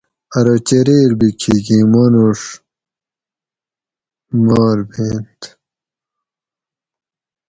ارو چریر بھی کھیکی مانوڛ ماربینت